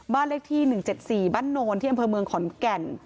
บ้านเลขที่๑๗๔บ้านโนนที่อำเภอเมืองขอนแก่น